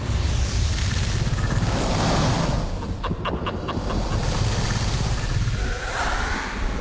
ハハハハ！